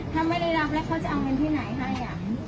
ถ้าไม่ได้รับแล้วเขาจะเอาเงินที่ไหนคะยัง